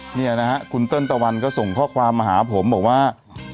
เนี่ยนะฮะคุณเติ้ลตะวันก็ส่งข้อความมาหาผมบอกว่า